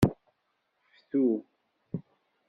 Ftu.